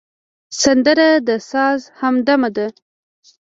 سندره د ساز همدمه ده